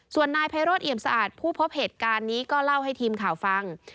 ส่วนนายไพโรธเอี่ยมสะอาดผู้พบเหตุการณ์นี้ก็เล่าให้ทีมข่าวฟัง